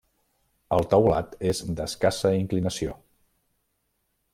El teulat és d'escassa inclinació.